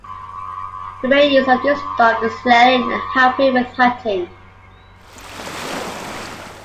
The main use of this dog is sledding and helping with hunting.